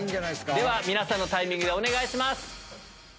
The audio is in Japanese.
では皆さんのタイミングでお願いします！